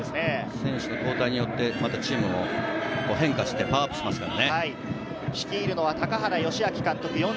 選手の交代によってチームが変化してパワーアップしますからね。